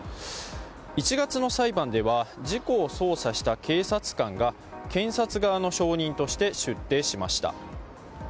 １月の裁判では事故を捜査した警察官が検察側の証人として出廷しました。